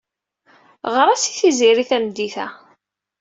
Ɣer-as i Tiziri tameddit-a.